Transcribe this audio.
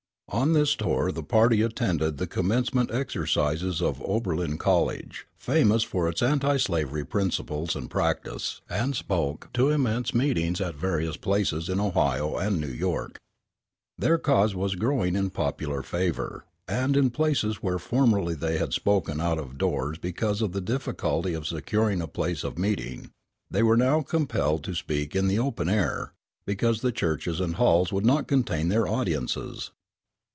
On this tour the party attended the commencement exercises of Oberlin College, famous for its anti slavery principles and practice, and spoke to immense meetings at various places in Ohio and New York. Their cause was growing in popular favor; and, in places where formerly they had spoken out of doors because of the difficulty of securing a place of meeting, they were now compelled to speak in the open air, because the churches and halls would not contain their audiences.